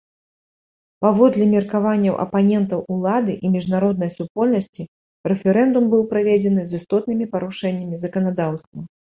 Паводле меркавання апанентаў улады і міжнароднай супольнасці, рэферэндум быў праведзены з істотнымі парушэннямі заканадаўства.